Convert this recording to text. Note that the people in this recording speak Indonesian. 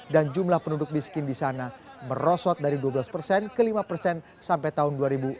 dan jumlah penduduk miskin di sana merosot dari dua belas persen ke lima persen sampai tahun dua ribu enam belas